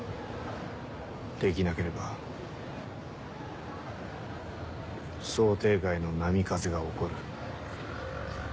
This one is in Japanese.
できなければ想定外の波風が起こる。